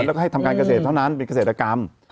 แล้วก็ให้ทำการเกษตรเท่านั้นเป็นเกษตรกรรม